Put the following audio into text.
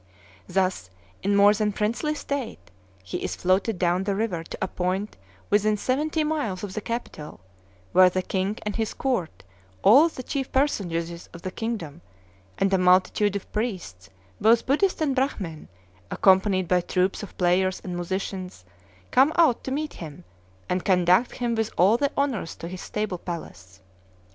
Thus, in more than princely state, he is floated down the river to a point within seventy miles of the capital, where the king and his court, all the chief personages of the kingdom, and a multitude of priests, both Buddhist and Brahmin, accompanied by troops of players and musicians, come out to meet him, and conduct him with all the honors to his stable palace.